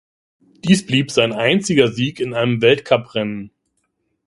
Dies blieb sein einziger Sieg in einem Weltcuprennen.